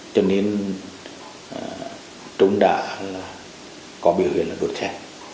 cho nên trung đã có biểu hiện là đột khe